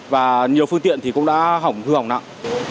và nhiều phương tiện thì cũng đã hỏng hư hỏng nặng